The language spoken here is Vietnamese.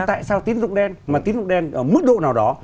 tại sao tín dụng đen mà tín dụng đen ở mức độ nào đó